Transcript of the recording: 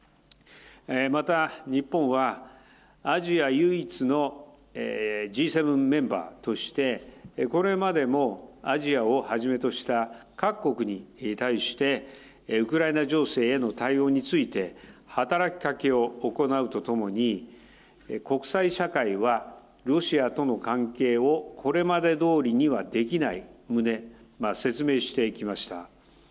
また日本は、アジア唯一のＧ７メンバーとして、これまでもアジアをはじめとした各国に対して、ウクライナ情勢への対応について、働きかけを行うとともに、国際社会はロシアとの関係をこれまでどおりにはできない旨、説明していきました。